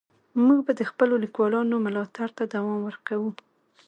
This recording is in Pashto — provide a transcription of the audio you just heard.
موږ به د خپلو لیکوالانو ملاتړ ته دوام ورکوو.